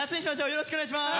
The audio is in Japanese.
よろしくお願いします！